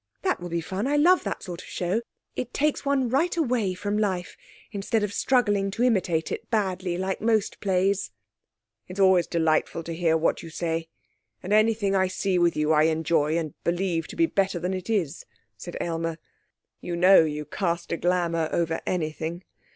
'That will be fun I love that sort of show. It takes one right away from life instead of struggling to imitate it badly like most plays.' 'It's always delightful to hear what you say. And anything I see with you I enjoy, and believe to be better than it is,' said Aylmer. 'You know you cast a glamour over anything.